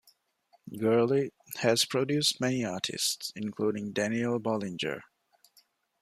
Gurley has produced many artists, including Danielle Bollinger.